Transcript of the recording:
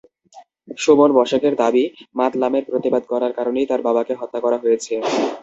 সুমন বসাকের দাবি, মাতলামির প্রতিবাদ করার কারণেই তাঁর বাবাকে হত্যা করা হয়েছে।